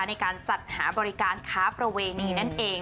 ในการจัดหาบริการค้าประเวณีนั่นเอง